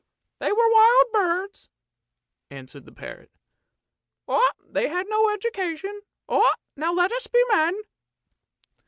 " They were wild birds," answered the parrot; " they had no education. Now let us be men!